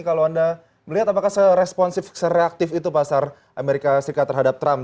kalau anda melihat apakah seresponsif sereaktif itu pasar amerika serikat terhadap trump